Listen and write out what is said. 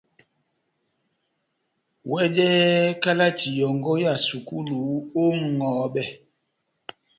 Wɛdɛhɛ kalati yɔ́ngɔ ya sukulu ó ŋʼhɔbɛ.